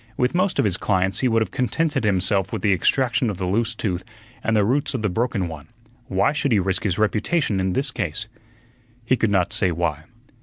With most of his clients he would have contented himself with the extraction of the loose tooth and the roots of the broken one. Why should he risk his reputation in this case? He could not say why.